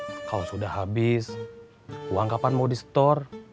nah kalau sudah habis uang kapan mau di store